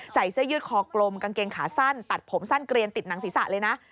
ใส่เสื้อยืดคอกลมกางเกงขาสั้นตัดผมสั้นเกรียนติดหนังศีรษะเลยนะ